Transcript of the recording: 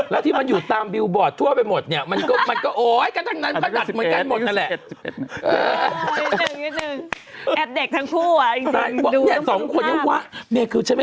รู้มาจากไหนฉันอุตส่าห์อยู่เงียบนึกออกป่ะ